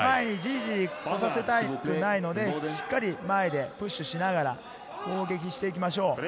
前にジリジリ来させたくないので、しっかり前でプッシュしながら攻撃していきましょう。